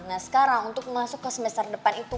nah sekarang untuk masuk ke semester depan itu